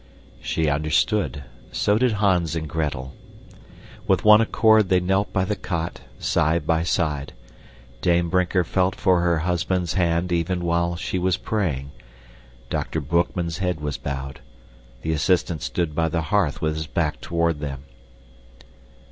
She understood. So did Hans and Gretel. With one accord they knelt by the cot, side by side. Dame Brinker felt for her husband's hand even while she was praying. Dr. Boekman's head was bowed; the assistant stood by the hearth with his back toward them.